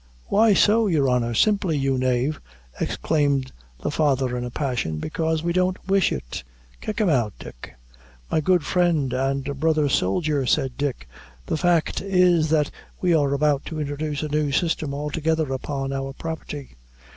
"Why so, your honor?" "Simply, you knave," exclaimed the father, in a passion, "because we don't wish it. Kick him out, Dick!" "My good friend and brother soldier," said Dick, "the fact is, that we are about to introduce a new system altogether upon our property.